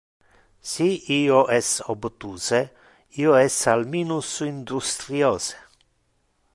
Si io es obtuse, io es al minus industriose.